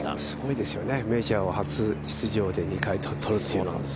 すごいですよね、メジャーを初出場で２回取るという。